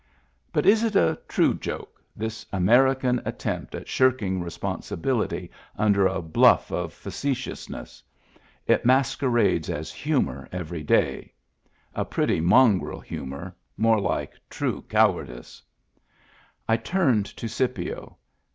But is it a true joke — this American attempt at shirking responsibility under a bluflF of face tiousness ? It masquerades as humor every day — a pretty mongrel humor, more like true cow ardice. I turned to Scipio.